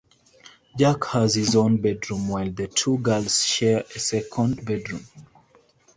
Jack has his own bedroom while the two girls share a second bedroom.